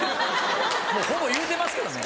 もうほぼ言うてますけどね